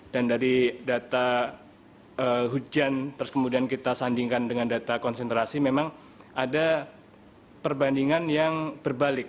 dan dari data hujan pastingkan sama dengan data konsentrasi adanya perbandingan yang berbalik